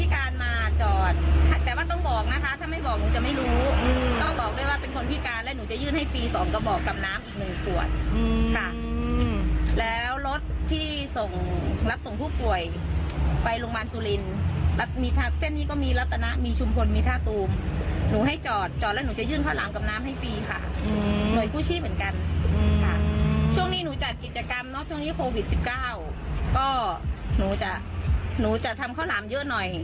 การทำแบบนี้โควิด๑๙ก็หนูจะทำเข้าหลามเยอะหน่อย